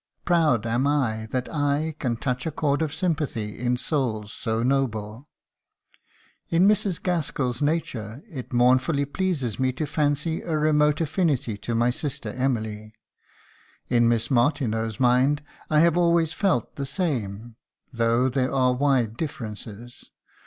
Proud am I that I can touch a chord of sympathy in souls so noble. In Mrs. Gaskell's nature it mournfully pleases me to fancy a remote affinity to my sister Emily. In Miss Martineau's mind I have always felt the same, though there are wide differences.